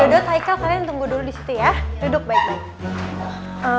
dodo aikal kalian tunggu dulu disitu ya